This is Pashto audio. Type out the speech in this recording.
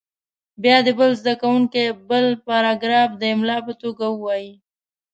بیا دې بل زده کوونکی بل پاراګراف د املا په توګه ووایي.